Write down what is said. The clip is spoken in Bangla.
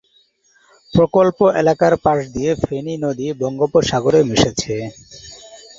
প্রকল্প এলাকার পাশ দিয়ে ফেনী নদী বঙ্গোপসাগরে মিশেছে।